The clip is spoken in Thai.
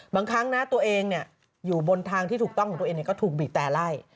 บางครั้งนะตัวเองอยู่บนทางที่ถูกต้องของตัวเองก็ถูกบีบแต่ไล่